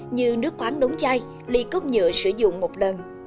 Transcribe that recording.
như nước khoáng đống chai ly cốc nhựa sử dụng một lần